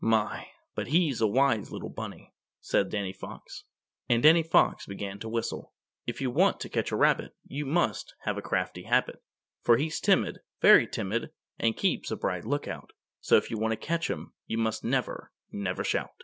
My, but he's a wise little bunny," and Danny Fox began to whistle: "If you want to catch a rabbit You must have a crafty habit, For he's timid, very timid, And keeps a bright lookout; So if you want to catch him You must never, never shout."